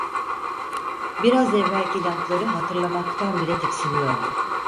Biraz evvelki lafları hatırlamaktan bile tiksiniyordu.